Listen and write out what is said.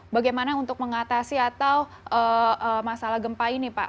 bagaimana untuk mengatasi atau masalah gempa ini pak